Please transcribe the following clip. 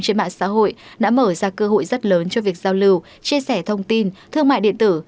trên mạng xã hội đã mở ra cơ hội rất lớn cho việc giao lưu chia sẻ thông tin thương mại điện tử